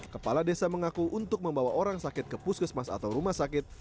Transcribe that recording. kepala desa mengaku untuk membawa orang sakit ke puskesmas atau rumah sakit